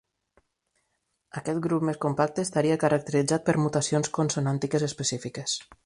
Aquest grup més compacte estaria caracteritzat per mutacions consonàntiques específiques.